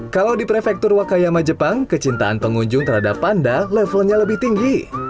kalau di prefektur wakayama jepang kecintaan pengunjung terhadap panda levelnya lebih tinggi